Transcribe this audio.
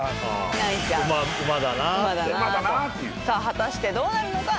果たしてどうなるのか？